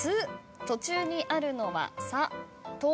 途中にあるのは「さ」「と」